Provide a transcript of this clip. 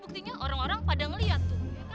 buktinya orang orang pada melihat tuh